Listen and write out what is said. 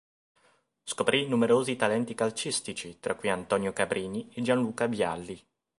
Scoprì numerosi talenti calcistici, tra cui Antonio Cabrini e Gianluca Vialli.